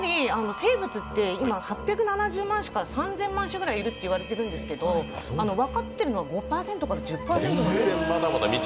生物って今８７０万から３０００万種ぐらいいるって言われてるんですけど、分かっているのは５％から１０％なんですよ。